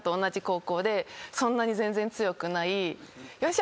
そんなに全然強くない。